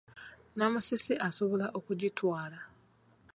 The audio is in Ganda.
Namusisi asobola okugitwala.